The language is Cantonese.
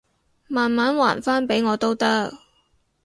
慢慢還返畀我都得